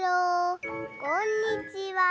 こんにちは